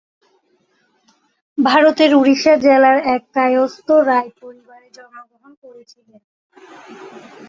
ভারতের উড়িষ্যা জেলার এক কায়স্থ রায় পরিবারে জন্মগ্রহণ করেছিলেন।।